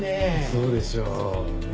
そうでしょうね。